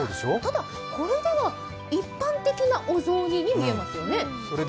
ただ、これでは一般的なお雑煮に見えますよね。